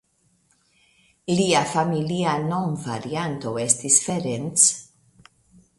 Lia familia nomvarianto estis "Ferenc".